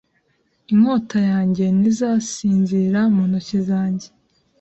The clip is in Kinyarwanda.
inkota yanjye ntizasinzira mu ntoki zange